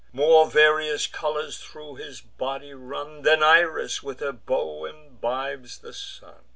More various colours thro' his body run, Than Iris when her bow imbibes the sun.